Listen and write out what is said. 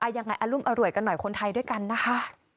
ยังไงอรุมอร่วยกันหน่อยคนไทยด้วยกันนะคะ